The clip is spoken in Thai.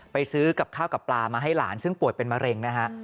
ซื้อกับข้าวกับปลามาให้หลานซึ่งป่วยเป็นมะเร็งนะฮะ